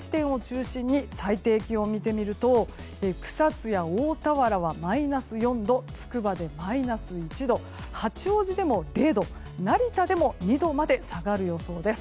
低い地点を中心に最低気温を見てみると草津や大田原はマイナス４度つくばでマイナス１度八王子でも０度、成田でも２度まで下がる予想です。